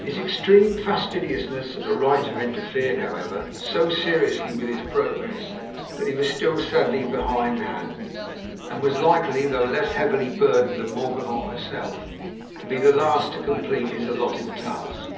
His extreme fastidiousness as a writer interfered, however, so seriously with his progress that he was still sadly behindhand, and was likely, though less heavily burdened than Morgan or myself, to be the last to complete his allotted task.